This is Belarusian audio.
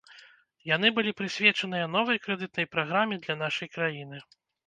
Яны былі прысвечаныя новай крэдытнай праграме для нашай краіны.